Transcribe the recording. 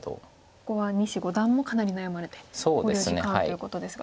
ここは西五段もかなり悩まれて考慮時間ということですが。